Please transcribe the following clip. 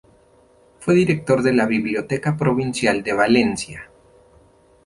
Fue director de la Biblioteca Provincial de Valencia.